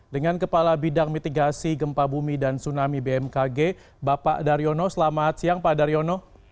dengan kepala bidang mitigasi gempa bumi dan tsunami bmkg bapak daryono selamat siang pak daryono